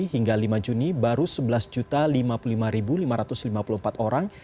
hingga lima juni baru sebelas lima puluh lima lima ratus lima puluh empat orang